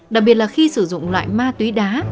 đặc biệt là khi sử dụng loại ma túy đá